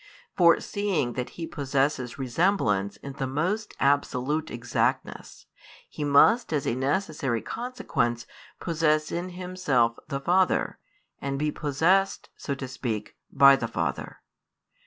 For seeing that He possesses resemblance in the most absolute exactness, He must as a necessary consequence possess in Himself the Father, and be possessed (so to speak) by the Father.